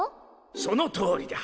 そのとおりだ。